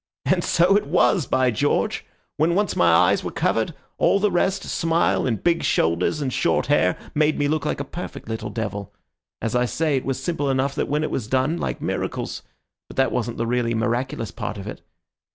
And so it was, by George! When once my eyes were covered, all the rest, smile and big shoulders and short hair, made me look a perfect little devil. As I say, it was simple enough when it was done, like miracles; but that wasn't the really miraculous part of it.